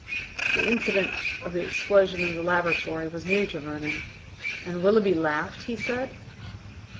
The incident of the explosion in the laboratory was new to Vernon. "And Willoughby laughed?" he said.